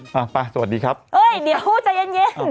ป่ะป่ะสวัสดีครับเฮ้ยเดี๋ยวใจเย็น